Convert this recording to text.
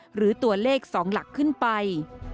หรือตัวเลข๒หลักขึ้นไป